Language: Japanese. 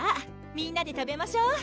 みんなで食べましょう！